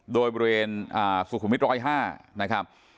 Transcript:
โดยบริเวณสุขุมวิท๑๐๕นะครับ